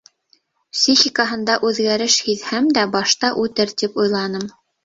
Психикаһында үҙгәреш һиҙһәм дә башта үтер тип уйланым.